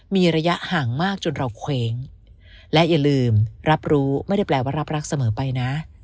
มีระยะห่างมากจนเราเคว้งและอย่าลืมรับรู้ไม่ได้แปลว่ารับรักเสมอไปนะ